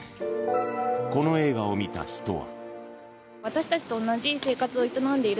この映画を見た人は。